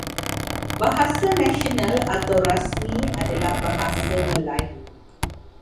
Bahasa nasional atau rasmi adalah Bahasa Melayu.